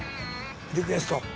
リクエスト。